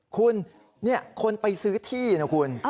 คุณคนไปซื้อที่นะคุณ